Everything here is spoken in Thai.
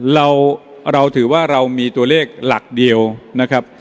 เราเราถือว่าเรามีตัวเลขหลักเดียวนะครับ